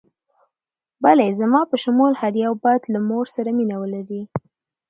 بلې، زما په شمول هر یو باید له مور سره مینه ولري.